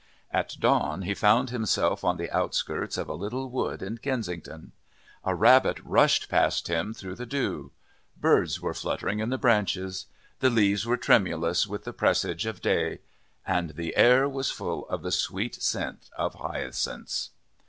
At dawn he found himself on the outskirts of a little wood in Kensington. A rabbit rushed past him through the dew. Birds were fluttering in the branches. The leaves were tremulous with the presage of day, and the air was full of the sweet scent of hyacinths.